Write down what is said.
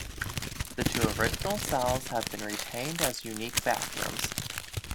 The two original cells have been retained as unique bathrooms.